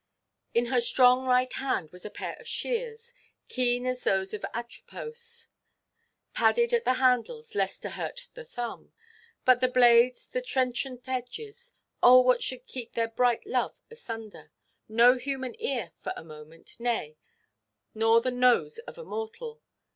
In her strong right hand was a pair of shears, keen as those of Atropos, padded at the handles, lest to hurt the thumb, but the blades, the trenchant edges—oh what should keep their bright love asunder? No human ear, for a moment; nay, nor the nose of a mortal.